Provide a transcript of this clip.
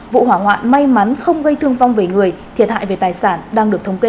vụ hỏa hoạn may mắn không gây thương vong về người thiệt hại về tài sản đang được thống kê